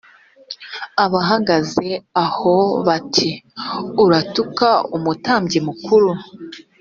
abahagaze aho bati “uratuka umutambyi mukuru…”